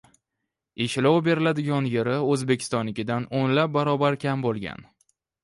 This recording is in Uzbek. Ishlov beriladigan yeri O‘zbekistonnikidan o‘nlab barobar kam bo‘lgan